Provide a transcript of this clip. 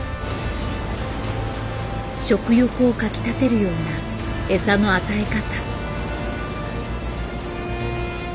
食欲をかきたてるような餌の与え方。